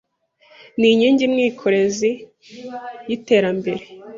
Ni inkingi mwikorezi y’iterembere.